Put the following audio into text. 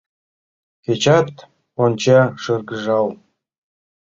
Кечат онча шыргыжал